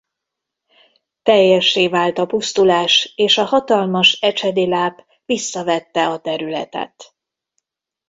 Teljessé vált a pusztulás és a hatalmas Ecsedi-láp visszavette a területet.